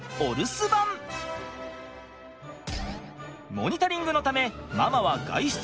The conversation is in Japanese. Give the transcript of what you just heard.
モニタリングのためママは外出。